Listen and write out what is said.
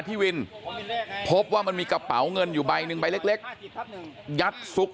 พี่วินพบว่ามันมีกระเป๋าเงินอยู่ใบหนึ่งใบเล็กยัดซุก